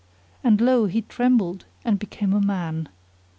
and lo! he trembled and became a man.